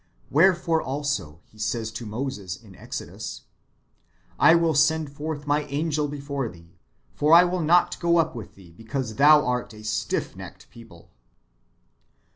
Wherefore also He says to Moses in Exodus :" I will send forth my angel before thee ; for I will not go up with thee, because thou art a stiff necked people."